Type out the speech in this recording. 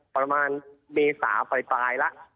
ประมาณเมษาปลายแล้ว